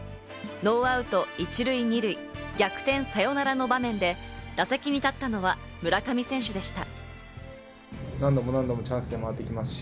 ノーアウト１塁２塁、逆転サヨナラの場面で、打席に立ったのは村上選手でした。